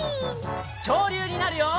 きょうりゅうになるよ！